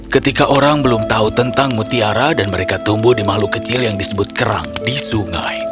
ketika orang belum tahu tentang mutiara dan mereka tumbuh di makhluk kecil yang disebut kerang di sungai